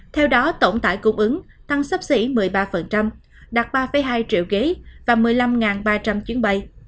theo đó tổng tải cung ứng tăng sắp xỉ một mươi ba đạt ba hai triệu ghế và một mươi năm ba trăm linh chuyến bay